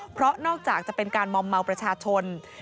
เพราะนอกจากจะเป็นการมอมเมาประชาชน